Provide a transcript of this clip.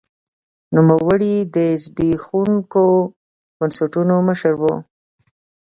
نوموړي د زبېښونکو بنسټونو مشر و.